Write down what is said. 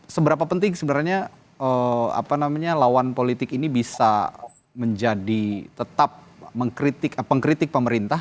seberapa penting sebenarnya lawan politik ini bisa menjadi tetap mengkritik pemerintah